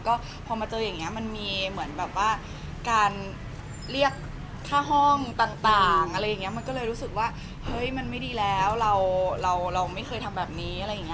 ตกใจค่ะเพราะว่าที่เคยโดนมันมาก็คือไม่เคยโดนแนวนี้มาก่อนเลย